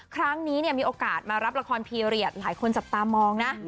ครั้งนี้มีโอกาสมารับละครพีเรียสหลายคนจับตามองนะ